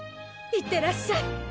行ってらっしゃい！